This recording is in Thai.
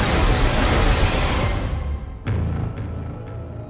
มีนานครับ